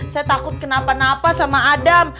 saya takut kenapa napa sama adam